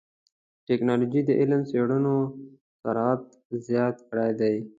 ټکنالوجي د علمي څېړنو سرعت زیات کړی دی.